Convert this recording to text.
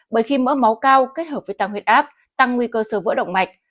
bởi khi mỡ máu cao kết hợp với tăng huyết áp tăng nguy cơ sờ vỡ động mạch